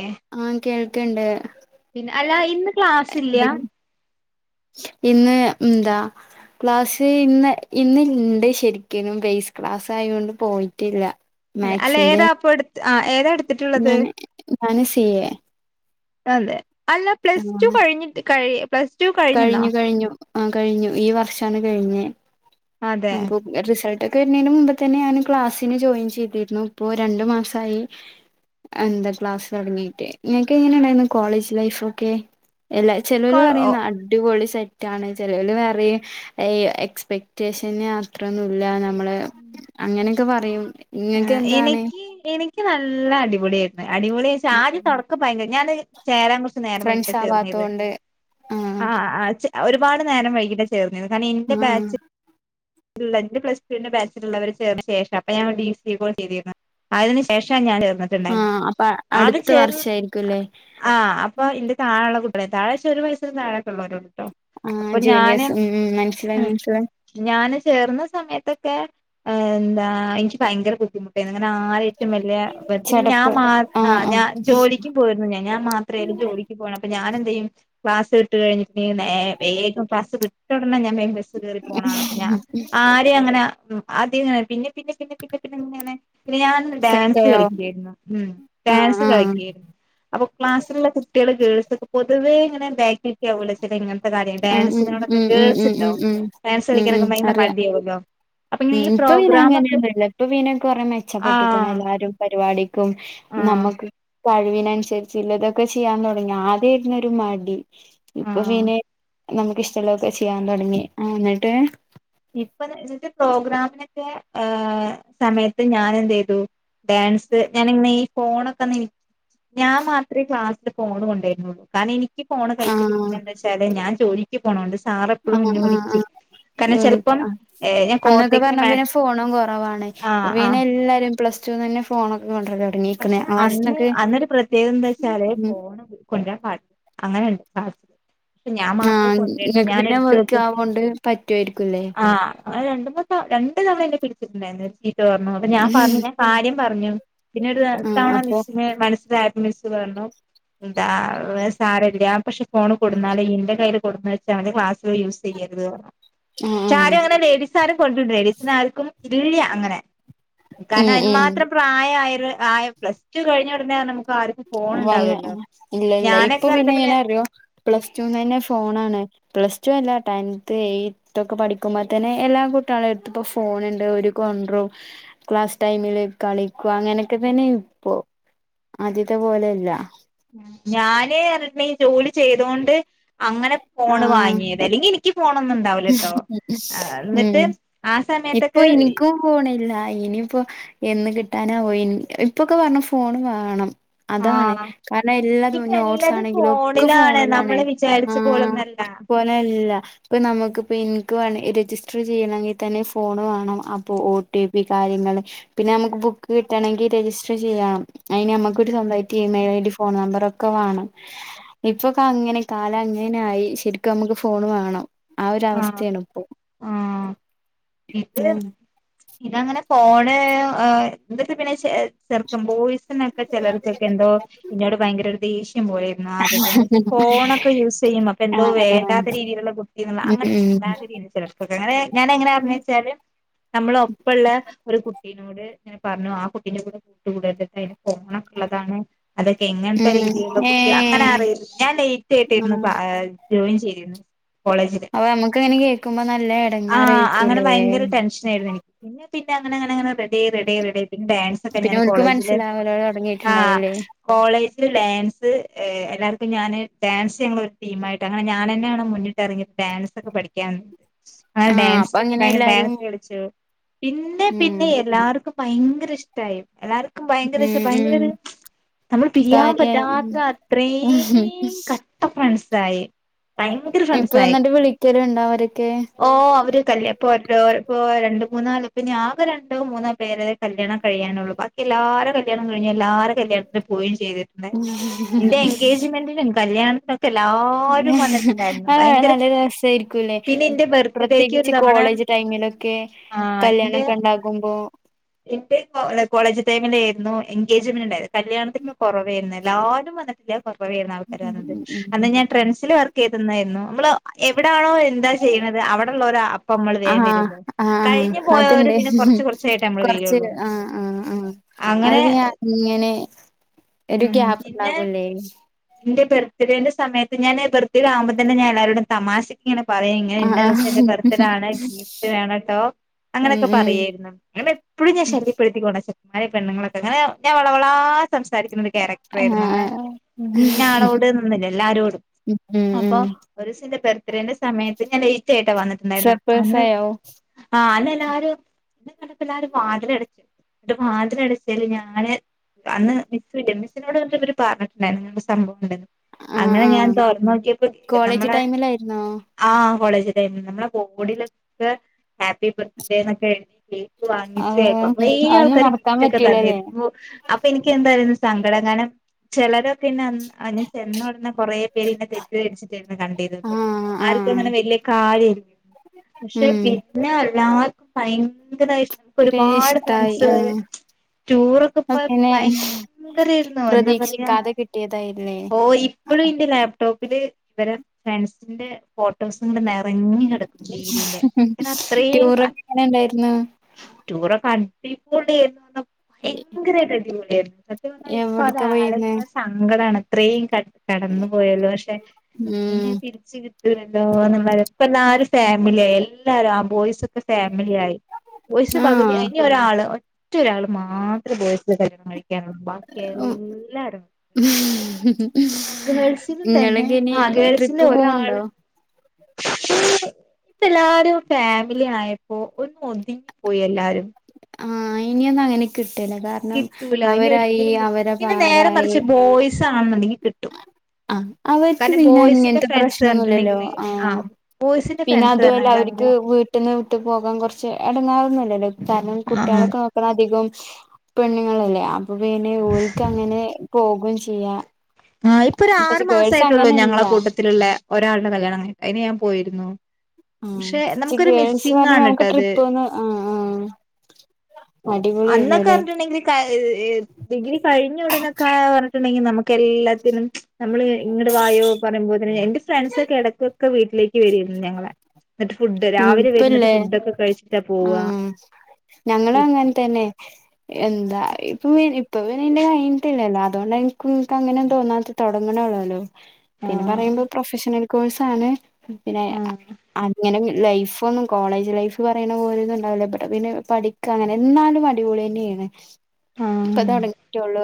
ഏ ആഹ് കേൾക്കണ്ട് പിന്നെ അല്ല ഇന്ന് ക്ലാസ് ഇല്ല ഇന്ന് ഉം ന്താ ക്ലാസ്സ് ഇന്ന് ഇന്ന് ഇണ്ട് ശരിക്കിനും. ബേസ് ക്ലാസ് ആയൊണ്ട് പോയിട്ടില്ല. അല്ല അല്ല ഏതാ അപ്പടുത്ത് ആഹ് ഏതാ എടുത്ത ഞാന് ഞാന് സി എ. അതെ അല്ല പ്ലസ് ടു ആണ് കഴിഞ്ഞിട്ട് കഴി പ്ലസ് ടു കഴിഞ്ഞിണോ കഴിഞ്ഞു കഴിഞ്ഞു ആഹ് കഴിഞ്ഞു ഈ വർഷാണ് കഴിഞ്ഞേ അതെ അപ്പൊ റിസൾട്ട് ഒക്കെ വരുന്നേന് മുമ്പ് തന്നെ ഞാന് ക്ലാസ്സിന് ജോയിൻ ചെയ്തിരുന്നു. ഇപ്പോ രണ്ടു മാസായി. എന്താ ക്ലാസ് തൊടങ്ങീട്ട്. ഇങ്ങക്ക് എങ്ങനെണ്ടായിരുന്നു കോളേജ് ലൈഫ് ഒക്കെ എല്ലാ കൊ ചെലോര് ഓ പറയും നാ അടിപൊളി സെറ്റ് ആണ്. ചേലോല് പറയും എക്സ്പെക്ടേഷന് അത്രൊന്നുല്ല ഞമ്മള് ഉം അങ്ങനെക്കെ പറയും ഇങ്ങക്ക് ആഹ് എന്താണ് എനിക്ക് എനിക്ക് നല്ല അടിപൊളിയായിരുന്നു അടിപൊളിയെച്ചാ ആദ്യം തൊടക്കം ഭയങ്കര ഞാന് ചേരാൻ കൊറച്ചു നേരം വൈകിട്ട ഫ്രണ്ട്സ് ചേർന്നത് ആവാത്തോണ്ട് ആഹ് ആ ചെ ഒരുപാട് നേരം വൈകിട്ട ചേർന്നത് കാരണം ഇന്റെ ആഹ് ബാച്ച് ഇല്ല ന്റെ പ്ലസ് ടുവിന്റെ ബാചിലുള്ളവര് ചേർന്ന ശേഷം അപ്പ ഞാൻ ഡി സി കോഴ്സ് ചെയ്തിരുന്നു അതിന് ശേഷ ഞാൻ ചേർന്നത് ആഹ് അപ്പൊ അടുത്ത വർഷായിരിക്കും ല്ലേ ആഹ് അപ്പൊ ഇന്റെ താഴെള്ള കുട്ട്യാള താഴെച്ച ഒരു വയസിനു താഴെക്കെള്ളൊരോള്ളൂ ആഹ് ജൂനിയേഴസ് ഉം മനസിലായി മനസ്സിലായി ഞാന് ചേർന്ന സമയത്തൊക്കെ എന്താ എനിക്ക് ഭയങ്കര ബുദ്ധിമുട്ട് ട്ടേന്നു ഇങ്ങനെ ആരെറ്റും വല്യ ബ പിന്നെ ഞാൻ ചടപ്പ് മാ ആ ആഹ് ആഹ് ഞാൻ ജോലിക്കും പോയിരുന്നു ഞാൻ മാത്രെ ജോലിക്ക് പോണേ അപ്പൊ ഞാനെന്ത്‌ ചെയ്യും ക്ലാസ്സ്‌ വിട്ട് കയിഞ്ഞ് നേ വേഗം ക്ലാസ്സ്‌ വിട്ട ഒടനെ ഞാൻ വേ ബ സ് കേറി പോണാളാ ഞാൻ ആരേം അങ്ങനെ ആദ്യങ്ങനെ പിന്നെ പിന്നെ പിന്നെ പിന്നെ പിന്നെ ങ്ങനെ പിന്നെ ഞാൻ ഡാൻസ് സെറ്റായോ കളിക്ക്യായിരുന്നു ഉം ആഹ് ഡാൻസ് ആഹ് കളിക്ക്യാരുന്നു അപ്പൊ ക്ലാസ്സിലുള്ള കുട്ടികള് ഗേൾസ് ഒക്കെ പൊതുവേ ഇങ്ങനെ ബാക്കിക്ക് ആവൂലെ [unintelligible] ത്തെ കാര്യം ഉം ഉം ഡാൻസിനോടൊക്കെ ഉം ഉം ഗേൾസ് ഉം ഇണ്ടോ ഉം ഉം ഡാൻസ് ഉം ഉം കളിക്കാനൊക്കെ ഭയങ്കര അറിയാം മടിയകുവല്ലോ ഉം ഇപ്പൊ പിന്നെ അങ്ങനെയൊന്നുല്ല ഇപ്പൊ പിന്നെ കൊറേ മെച്ചപ്പെട്ടുക്കുണു ആഹ് എല്ലാരും പരിപാടിക്കും ആഹ് നമ്മക്ക് കഴിവിനനുസരിചില്ലതൊക്കെ ചെയ്യാൻ തൊടങ്ങി ആദ്യയിരുന്നൊരു മടി ഇപ്പൊ ആഹ് പിന്നെ നമുക്ക് ഇഷ്ടള്ളൊക്കെ ചെയ്യാൻ തൊടങ്ങി ആഹ് ന്നട്ട് ഇപ്പൊ ന്ന ന്നട്ട് പ്രോഗ്രാമിനൊക്കെ ആ സമയത്ത് ഞാൻ എന്ത്യ്തു ഡാൻസ് ഞാനിങ്ങനെ ഫോണൊക്കെ അന്ന്നി ഞാൻ മാത്രെ ക്ലാസ്സില് ഫോണ് കൊണ്ടര്ണൊള്ളൂ കാരണം ഇനിക്ക് ക്ക് ഫോണ് കയ്യിൽ ആഹ് പിടിക്കണെന്താച്ചാല് ഞാൻ ജോലിക്ക് പോണോണ്ട് സാറെപ്പഴും ആഹ് ഇന്നെ വിളി ആഹ് ആഹ് ഉം ആഹ് ഞാൻ അന്നൊക്കെ കോട്ടക്കിന് പറഞ്ഞ മാ പിന്നെ ഫോണും കൊറവാണെ ഇപ്പൊ ആഹ് പിന്നെ ആഹ് എല്ലാരും പ്ലസ് ടുന്നന്നെ ഫോണൊക്കെ കൊണ്ടരലോടങ്ങി പക്ഷെ അന്ന് അന്നൊരു പ്രത്യേകത എന്താ വച്ചാല് ഉം ഫോൺ കൊണ്ടരാൻ പാ അങ്ങനെയുണ്ട് സ [unintelligible] ഞാൻ മാത്രമേ ആഹ് കൊണ്ടുവരുന്ന ഇങ്ങക്ക് ഞാൻ പിന്നെ എടുത്ത വർക്ക് വെക്കൂ ആവോണ്ട് പറ്റുവായിരിക്കുംല്ലേ ആഹ് ആന്നെ രണ്ട മൂ രണ്ട് തവണ എന്നെ പിടിച്ചിട്ടുണ്ടായിരുന്നു ചീറ്റ പറഞ്ഞു അപ്പൊ ഞാൻ പറഞ്ഞു ഞാൻ കാര്യം പറഞ്ഞു. പിന്നെര് ആഹ് തവണ അപ്പൊ മിസ്സിന് മനസിലായപ്പോ മിസ്സ്‌ പറഞ്ഞു എന്താ സാരല്ല പക്ഷെ ഫോൺ കൊടുന്നാല് ഇന്റെ കയ്ൽ കൊടു ക്ഷെ ക്ലാസുല് യൂസ് പചെയ്യരുത് ആഹ് ക്ഷെ ആഹ് ആരും അങ്ങനെ ലേഡീസിന ആരും കൊണ്ടുണ്ട് ലേഡീസിന ആർക്കും ഇല്ല അങ്ങനെ ഉം കാരണം അതിന് ഉം മാത്രം പ്രായായ ആയ പ്ലസ്ടു കഴിഞ്ഞ ഉടനെ നമുക്ക് ആ വന്ന് ഇല്ല ഇല്ല ഇപ്പൊ പിന്നെ ഇങ്ങനെ അറിയോ പ്ലസ്റ്റുന്നന്നെ ഫോണാണ്. പ്ലസ് ടു അല്ല ടെൻത്ത് എയ് ത്തൊക്കെ പഠിക്കുമ്പോ തന്നെ എല്ലാ കൂട്ട്യാളെടുത്ത്പ്പൊ ഫോണുണ്ട് ഒര് കൊണ്ടുറും ക്ലാസ് ടൈമില് കളിക്കുക അങ്ങനെയൊക്കെ തന്നെ ഇപ്പൊ ആദ്യത്തെ പോലെല്ല. ഞാന് റഞ്ഞിട്ട്ണ്ടങ്കി ജോലി ചെയ്തൊണ്ട്. അങ്ങനെ ഫോണ് ആഹ് വാങ്ങിയത് അല്ലെങ്കിൽ എനിക്ക് ഫോണൊന്നും ഇണ്ടാവിലട്ടോ ഉം എന്നിട്ട് ആ ഇപ്പൊ സമയത്തൊക്കെ ഇനിക്കും ഫോണില്ല ഇനിയിപ്പോ എന്ന് കിട്ടാനവൊ ഇൻ ഇപ്പൊക്കെ പറഞ്ഞ ഫോൺ വാണം. അതാണ് ആഹ് കാരണം എല്ലാ ഇപ്പൊ നോട്ട്സ് എല്ലാതും ആണെങ്കിലും ഒക്കെ ഫോണിലാണ് ഫോണിലണ് നമ്മള് ആ വിചാരിച്ച [unintelligible] പോലൊന്നല്ല തല്ലാ ഇപ്പോ നമുക്ക്പ്പോ എനിക്ക് രജിസ്റ്റർ ചെയ്യണമെങ്കിൽ തന്നെ ഫോണ് വാണം അപ്പോൾ ഒ ടി പി കാര്യങ്ങൾ പിന്നെ നമുക്ക് ബുക്ക് കിട്ടണെങ്കിൽ രജിസ്റ്റർ ചെയ്യണം അയിന് നമ്മുക്കൊ രു സ്വന്തമായിട്ട് മെയിൽ ഐഡി ഫോൺ നമ്പർ ഒക്കെ വാണം. ഇപ്പൊക്ക അങ്ങനെ കാല അങ്ങനെ ആയി ശരിക്കും നമ്മുക്ക് ഫോൺ വേണം. ആഹ് ഒര അവസ്ഥയാണ് ഇപ്പൊ ആഹ് ഇത് ഉം ഇതങ്ങനെ ഫോണ് എന്തൊക്ക പിന്നെ ഷെ ചെറക്കം ബോയ്സിനൊക്കെ ചിലർക്കൊക്കെ എന്തോ ഇന്നോട് ഭയങ്കര ഒരു ദേഷ്യം പോലെ ആഹ് അതൊക്കെ എന്താ ഫോണൊക്കെ യൂസ് ചെയ്യും അപ്പൊ എന്തോ ആഹ് ആഹ് വേണ്ടാത്ത രീതിയിലുള്ള കുത്തി ഉം അങ്ങനെത്തെ ഉം ചിന്താഗതി. ചിലർക്കെ അങ്ങനെ ഞാന എങ്ങനെ പറഞ്ഞച്ചാല് നമ്മള ഒപ്പള്ള ഒരു കുട്ടിനോട് ഇങ്ങനെ പറഞ്ഞു ആഹ് കുട്ടിന്റെ കൂടെ കൂട്ട കൂടണ്ട അതിന് ഫോണക്കെ ഉള്ളതാണ്. അതൊക്കെ എങ്ങനത്തെ ഉം രീതിയിലുള്ള കുട്ടി അങ്ങനെ ഏഹ് അറിയില്ല ഞാൻ ലേറ്റ് ആയിട്ടായിരുന്നു ക്ലാ ആഹ് ജോയിൻ ചെയ്തിരുന്നത് കോളേജില് അഹ് നമുക്ക ഇങ്ങനെ കേൾക്ക്മ്പോ നല്ല ആഹ് അങ്ങനെ എടങ്ങാറായിരിക്കൂല്ലേ ഭയങ്കര ടെൻഷനായിരുന്നു എനിക്ക് പിന്നെ പിന്നെ അങ്ങനെ അങ്ങനെ റെഡി റെഡിയി റെഡിയി പിന്നെ ഡാൻസ് ക്കെ പിന്നെ ഞാൻ ഓൽക്ക് കോളേജില് മനസ്സിലാവലോ ആഹ് തൊടങ്ങിയിട്ടുണ്ടാവൂലേ കോളേജ് ഡാൻസ് എല്ലാവർക്കും ഞാന് ഡാൻസ് ഞങ്ങള ഒരു തീം ആയിട്ട് അങ്ങനെ ഞാൻ തന്നെയാണ് മുന്നി ഇറങ്ങിട്ട് ഡാൻസ് ഒക്കെ പഠിക്കാണ്ട്. ആഹ് അപ്പൊ ഡാൻസൊക്കെ അങ്ങനെ ഭയങ്കര എല്ലാരും ഡാൻസ് കളിച്ചു പിന്നെ ഉം പിന്നെ എല്ലാവർക്കും ഭയങ്കര ഇഷ്ടായി എല്ലാർക്കും ഭയങ്കര ഉം ഇഷ ഉം ഭയങ്കര ഒരു നമ്മൾ പിരിയാൻ കാര്യായി പറ്റാത്ത അത്രയും ക ട്ട ഫ്രണ്ട്സായി. ഫ്രണ്ട്സായി ഇപ്പന്നിട്ട് വിളിക്കല് ഇണ്ടാ അവരൊക്കെ ഓ അവര് കല്യാ ഇപ്പൊരോ ഈ രണ്ട് മൂന്നാള് പിന്ന ആക രണ്ടോ മൂന്നോ പേര് കല്യാണം കഴിയാനുള്ളൂ ബാക്കി എല്ലാവാര കല്യാണം കഴിഞ്ഞ് എല്ലാര കല്യാണത്തി പോയി ചെയ്തിക്ക്ണ്. ഉണ്ടായിരുന്നു ഇന്റെ എൻഗേജ്മെന്റിനും കല്യാണത്തിനൊക്കെ എല്ലാരും വന്നിട്ടുണ്ടായിരുന്നു ഭയങ്കര തേര്ക്കുലെ പിന്നെ എന്റെ ബർത്ത്ഡേക്ക് ഒരു പ്രത്യേകിച്ച് തവണ കോളേജ് ടൈമിലൊക്കെ ആ എന്റെ കല്യാണക്കെ ഉണ്ടാകുമ്പോ എന്റെ കോളേജ് ടൈമില ആയിരുന്നു എഗേജ്മെന്റ് ഉണ്ടായിരുന്നു കല്യാണത്തിന് കുറവേയിരുന്നു എല്ലാവാരും വന്നിട്ട്ണ്ട റവേയിരുന്നു ആൾക്കാര് ഉം ഉം വന്നത് ഞാൻ ട്രെൻസിൽ വർക്ക് ചെയ്തന്നായിരുന്നു നമ്മള് എവിടാണോ ചെയ്ണത് അവിടെള്ളോര് അപ്പ നമ്മള് വേഗം വരല്ലെ കഴിഞ്ഞ പോയോര് കുറച്ച് ആഹ് ആഹ് ആഹ് അത് അങ്ങനെ പിന്നെ ഇങ്ങനെ ഒര് ഉം പിന്നെ ഗ്യാപ്പ്ണ്ടാകൂല്ലെ എന്റെ ബർത്തിഡേൻ്റെ സമയത്ത് ഞാന് ബർത്ത്ഡാ ആവുമ്പോ തന്നെ ഞാ എല്ലാരോടും തമാശ ഇങ്ങന പറയും ഇങ്ങന ആഹ് ഇന്ന് ആഹ് ദിവസം എന്റെ ബർത്ത്ഡേ ആണ് ത്തിഡാണെട്ടോ ഉം അങ്ങനൊക്കെ ഉം പറയെരുന്നു അങ്ങന എപ്പോഴും ഞാൻ ശല്യപ്പെടുത്തി കൊണ്ട് ശ അങ്ങനെയ ഇ പെണ്ണുങ്ങളൊക്കെ അങ്ങനെ ഞാൻ വളവള സംസാരിക്കുന്ന ഒരു ക്യാരക്ടർ ആഹ് ആയിരുന്നു അങ്ങനെ ആഹ് ഇന്ന ആളോട് നിന്നില്ല എല്ലാരോടും ഉം അപ്പൊ ഉം ഒരൂസെന്റെ ബെർത്ത്ഡേന്റെ സമയത്ത് ഞാൻ ലേയ്റ്റായിട്ടാ വന്നിട്ടുണ്ടായിരുന്ന അന്ന് സർപ്രൈസായോ ആഹ് അന്നെല്ലാരും എന്നെ കണ്ടപ്പ എല്ലാരും വാതിലടച്ച്ട്ട് വാതിലടച്ചെല് ഞാന് അന്ന് മിസ്സില്ലെ മിസ്സിനോടൊക്കെ ഇവര് പറഞ്ഞിട്ടുണ്ടാരുന്നു സംഭവോണ്ടന്ന് ആഹ് അങ്ങന ഞാൻ ആഹ് തോറന്നോക്കിയപ്പോ കോളേജ് നമ്മളെ ടൈമിലായിരുന്നോ ആഹ് കോളേജിലാരുന്നു നമ്മള കൊ കൊടീലത്ത് ഹാപ്പി ബർത്ത്ഡേന്നൊക്കെ എഴുതീലെ [unintelligible] ആഹ് കൊറെ അതൊന്നും ആൾക്കാര് മറക്കാൻ ഗിഫ്റ്റക്കെ പറ്റൂലല്ലേ തന്നിരുന്നു അപ്പ എനിക്കെന്താരുന്ന് സങ്കടം കാരണം ചിലരൊക്കെന്നെ അന്ന് അന്ന് ചെന്നോടനെ കുറെ പേരെന്നെ തെറ്റ്ദരിച്ചിട്ടാര്ന്നു കണ്ടിരുന്നെ ആഹ് ആർക്കും ആഹ് അങ്ങന വല്യ കാര്യ പക്ഷെ ഉം പിന്ന എല്ലാർക്കും ഭയങ്കരയിഷ് എനിക്കൊരു ഒരുപാട് ഇഷ്ടായി ഫ്രണ്ട്സ്കാര് ആഹ് ടൂറൊക്കെ പോയപ്പോ പിന്നെ ഭയങ്കരായിരുന്നു എന്താ പറയാ ഏതായിരുന്നേ ഓ ഇപ്പോഴും ഇന്റെ ലാപ്ടോപ്പില് ഇവരാ ഫ്രണ്ട്സിന്റെ ഫോട്ടോസുണ്ട് നെറഞ്ഞ് കെടക്കും ഡെയ്ലീന്റ ഞാന അത്രയും അ ടൂറൊക്കെ എങ്ങനെ ഉണ്ടായിരുന്നു ടൂറൊക്കെ അടിപൊളിയേര്ന്നു ഭയങ്കരായ്ട്ട് അടിപൊളിയായിരുന്നു സത്യം പറഞ്ഞ എവിടക്കാ പോയിരുന്നേ ഇപ്പതാലോയ്ക്കുമ്പൊ സങ്കടാണ് ത്രേം ക കടന്നു പോയല്ലോ പക്ഷെ ഇനി ഉം അത് തിരിച്ച് കിട്ടൂലല്ലോ ന്നുള്ളൊര് ഇപ്പെല്ലാരും ഫാമിലിയായി എല്ലാരും ആ ബോയ്സ് സൊക്കെ ഫാമിലിയായി ബോയ്സ് പകുതി ആഹ് ഇനി ഒരാള് ഒ റ്റൊരാള് മാത്രം ബോയ്സില് കല്യാണം കഴിക്കാനൊള്ളു ബാക്കി എല്ലാരും ഉം ഹ് ഹ് ഗേൾസിലും തെന്നെ ആ ട്രിപ്പ് പോവ്ണ്ടോ ഗേൾസിലൊരാള് ഇപ്പല്ലാരും ഫാമിലി ആയപ്പോ ഒന്നൊതുങ്ങി പോയി എല്ലാരും ആ ഇനിയൊന്നങ്ങനെ കിട്ടൂല്ല ക കിട്ടൂല ഇനി ഒരിക്കലും കിട്ടു പിന്നെ നേരെ പാടായി മറിച്ച് ബോയ്സാണെന്നുണ്ടെങ്കി കിട്ടും അ അവര്ക്ക് കാരണം പിന്നെ ബോയ്സിന്റെ ഇങ്ങൻത്തെ ഫ്രണ്ട്സ് പ്രശ്നൊന്നുല്ലല്ലോ പറഞ്ഞിട്ടുണ്ടെങ്കില് ആ ബോയ്സിന്റെ പിന്നെ ഫ്രണ്ട്സ് അതു അല്ല പറഞ്ഞാല് അവര് അവര്ക്ക് വീട്ട്ന്ന് വിട്ട് പോകാൻ കൊർച്ച് എടങേറൊന്നുല്ലല്ലോ കാരണം ആ കുട്ട്യാളൊക്കെ നോ ക്കണധികവും പെണ്ണുങ്ങളല്ലെ അപ്പൊ പിന്നെ ഓര്ക്കങ്ങനെ പോകും ചെയ്യാ ആ ഇപ്പൊരാറ് പക്ഷെ ഗേൾസ് മാസായിട്ടൊള്ളൂ ഞങ്ങള അങ്ങനെയല്ല കൂട്ടത്തില്ള്ളെ ഒരാൾടെ കല്യാണം കയ് അയ്ന് ഞാൻ പോയിരുന്നു ആ പക്ഷെ ജ്ജ് നമുക്കൊരു ഗേൾസ് മിസ്സിംഗ് പറയുമ്പൊ ആണ് ഞമ്മക്ക് ട്ടോ അത് ട്രിപ്പൊന്ന് ആ ആ അന്നൊക്കെ ർഞ്ട്ട്ണ്ടെങ്കില് ക ഡിഗ്രി കയ്ഞ്ഞുടനൊക്ക പറ ഞ്ഞിട്ടുണ്ടെങ്കി നമുക്കെല്ലാത്തിനും നമ്മള് ഇങ്ങട്ട് വായോ പറയുമ്പോത്ത്ന് എന്റെ ഫ്രണ്ട്സെക്കെ എടക്കൊക്കെ വീട്ടിലേക്ക് വെരേരുന്നു ഞങ്ങളെ ന്ന്ട്ട് ഫുഡ് ഉം രാവിലെ വെരും ന്ന്ട്ട് ഇപ്പല്ലേ ഫുഡൊക്ക കഴിച്ചിട്ടാ പോവ ആഹ് ഞങ്ങളും അങ്ങൻത്തെന്നെ എന്താ ഇപ്പ വര് ഇപ്പൊ വ ന്നെ ന്റെ കയ്ഞ്ഞ്ട്ടില്ലല്ലോ അതൊണ്ട എനിക്ക് ക്കും അങ്ങനൊന്നും തോന്നാത്ത തോടങ്ങ്ണൊള്ളോലോ പിന്നെ ആഹ് പറയുമ്പോ പ്രൊഫഷണൽ കോഴ്സാണ് പിന്നെ അങ്ങനെങ്ങ് ലൈഫോന്നും കോളേജ് ലൈഫ് പറയണ പോലൊന്നുംണ്ടാവൂല ഇപട പിന്നെ പഠിക്കങ്ങനെ ന്നാലും അടിപൊളിയെന്നെ ണ് ഇപ്പ ആഹ് തൊടങ്ങിറ്റൊള്ളു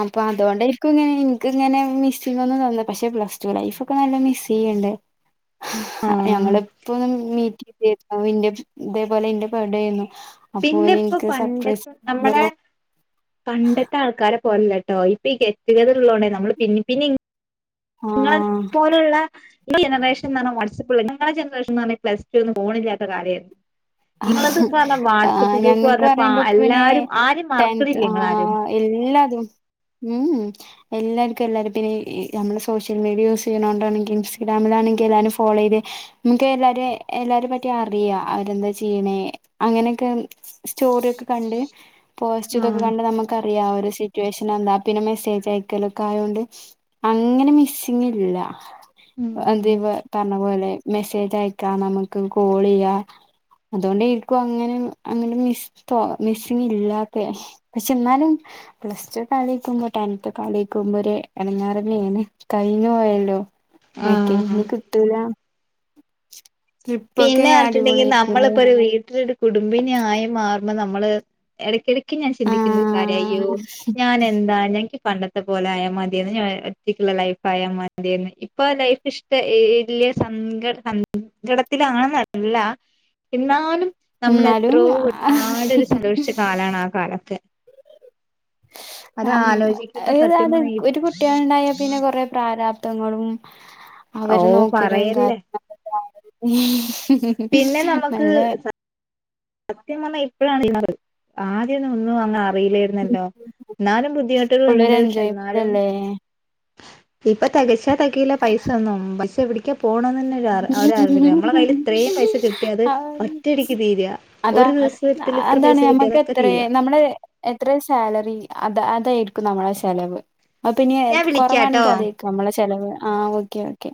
അപ്പൊ അതോണ്ടേരിക്കും ഇങ്ങനെ ഇൻക്ക്ങ്ങനെ മിസ്സിങ്ങൊന്നും തോന്ന പക്ഷെ പ്ലസ് ടു ലൈഫ് പ്പ നല്ല മിസ്സെയ്യ്ണ്ട് ആഹ് ഞങ്ങള് മീറ്റിംഗ്ലേര്ന്നു ഇന്റെ ഇതേപോലെ ന്റെ ബേഡേ ന്നു പിന്നെ ഇപ്പോ പണ്ടത്തെ നമ്മളെ പണ്ടത്തെ ആൾക്കാരെ പോലല്ലട്ടോ ഇ പ്പീ ഗെറ്റുഗതറുള്ളോണ്ടേ നമ്മള് പിന്നിം പിന്നിം ഇങ്ങളെ ആഹ് പോലുള്ള ജനറേഷൻന്ന് പറഞ്ഞ വാട്സപ്പുള്ള ഞങ്ങളെ ജനറേഷൻ ന്ന് പറഞ്ഞ പ്ലസ് ടു ഒന്നും ഫോണില്ലാത്ത കാലേര്ന്നു ഇങ്ങളത്ന്ന് പറഞ്ഞ ആഹ് വാട്സപ്പ് ഗ്രൂപ്പ് ഞങ്ങക്ക് പറഞ്ഞപ്പ പറയുമ്പോ പിന്നെ എല്ലാരും ആരേം ടെൻത്ത് മറക്ക്ണ്ല്ല ങ്ങളാരും ആഹ് എല്ലാതും ഉ ഉ എല്ലാർക്കും എല്ലാരിം പിന്നീ നമ്മള് സോഷ്യൽ മീഡിയ യൂസെയ്യുന്നോണ്ടാണ് ഇൻസ്റ്റഗ്രാമിലാണെങ്കില് എല്ലാരും ഫേളോയ്ത് ഇൻക്കെല്ലാരേം എല്ലാരിം പറ്റി അറിയാ അവരെന്ത ചെയ്യ്ണെ അങ്ങനൊക്കെ സ്റ്റോറിക്കെ കണ്ട് പോസ്റ്റുതൊക്കെ ആഹ് കണ്ട് നമക്കറിയാ ഓരെ സി റ്റുവേഷനെന്താ പിന്നെ മെസ്സേജ് അയക്കലൊക്കായോണ്ട് അങ്ങനെ മിസ്സിങ്ല്ല ഉം അതിപ പറഞ്ഞ പോലെ മെസ്സേജയക്കാ നമുക്ക് കോളെയ്യാ അതോണ്ടേരിക്കും അങ്ങനെ അങ്ങനെ മിസ്പ്പൊ മിസ്സിങ് ഇല്ലാത്തെ പക്ഷെ ന്നാലും പ്ലസ് ടു ഒക്കെ ആലോയ്ക്കുമ്പോ ടെൻത്തൊക്കാലോയ്ക്കുമ്പോ ഒര് എടങ്ങേറെന്നേണ് കയ്ഞ് പോയല്ലോ അ ആഹ് ഒക്കെനി കിട്ടൂല ട്രിപ്പൊക്കെ പിന്നെ ർഞ്ട്ട്ണ്ടെങ്കില് അടിപൊളിയായിരിക്കുംല്ലേ നമ്മള്പ്പൊരു വീട്ടില് ട് കുടുംബിനിയായി മാറുമ്പോ നമ്മള് എടയ്ക്കെടയ്ക്ക് ഞാൻ ചിന്തി ന്ത് കാര്യാ യ്യോ ആഹ് ഞാനെന്താ എനിക്ക് പണ്ട ണ്ടത്തെ പോലായാ മത്യേന്നു ഞാ ഒറ്റക്ക്ള്ള ലൈഫായാ മത്യേന്ന് ഇപ്പൊ ലൈഫ് ഇഷ്ട ഈ ഇല്ല സങ്കടാന്ന് ങ്കടത്തിലാന്നല്ല ഇന്നാലും എന്നാലും നമ്മളെത്രൊ ഒരുപാടൊര് സന്തോഷിച്ച കാലാണ് ആ കാലൊക്കെ അത് ഉം ആലോചിക്കുമ്പോ സത്യം ഏതാത് പറഞ്ഞ ഒരു കുട്ട്യോള്ണ്ടായാ പിന്നെ കൊറെ പ്രാരാപ് തങ്ങളും ഓ അവരെ നോക്കലും പറയല്ലേ കാര്യ ഉം പിന്നെ നമുക്ക് നല്ല സത്യം പറഞ്ഞാൽ ഇപ്പോഴാണ് [unintelligible] ആദ്യന്നും ഒന്നും അങ്ങ് അറിയില്ലേ ന്നല്ലോ എന്നാലും ബുദ്ധിമുട്ടുകള്ണ്ട് ഫുള്ളൊരു എൻജോയ്മെന്റ് പക്ഷെന്നാലും അല്ലേ ഇപ്പൊ തെകച്ചാ തെകയൂല പൈസന്നും പക്ഷെ എവിടക്ക പോണന്നന്നെ കിട്ടിയ അത് ആ ഒറ്റയടിക്ക് തീരുക അതാ ഒരു ദിവസത്തിൽ ഇത്ര അതാണ് പൈസ കിട്ടിയ ഞമ്മക്ക് അതൊക്കെ എത്ര തീരുക നമ്മള് എത്ര സാലറി അത് അതായിരിക്കും നമ്മളെ ചെലവ് അപ്പ ഇനി ഞാൻ വിളിക്കാട്ടോ കൊറവാണങ്കിൽ അത് നമ്മളെ ചെലവ് ആഹ് ഓക്കെ ഓക്കെ